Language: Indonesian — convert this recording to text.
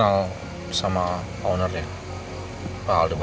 dharma kau nggakpdpfdfab